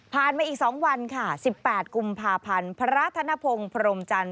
ผ่านมาอีก๒วันค่ะ๑๘กุมภาพันธุ์พระธนพงศ์พรมจร